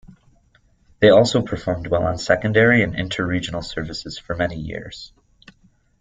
They also performed well on secondary and inter-regional services for many years.